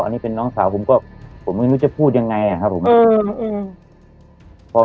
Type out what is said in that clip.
อันนี้เป็นน้องสาวผมก็ผมไม่รู้จะพูดยังไงอะครับผม